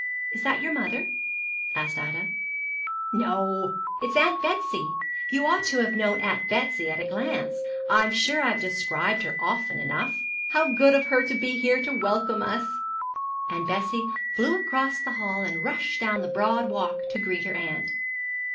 'Is that you mother?' asked Ida. 'No, it's Aunt Betsy. You ought to have known Aunt Betsy at a glance. I'm sure I've described her often enough. How good of her to be here to welcome us!' and Bessie flew across the hall and rushed down the broad walk to greet her aunt.